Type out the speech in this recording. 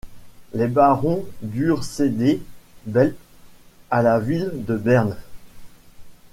Les barons durent céder Belp à la ville de Berne.